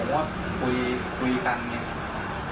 ผมก็คุยกันเนี่ย